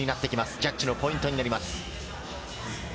ジャッジのポイントになります。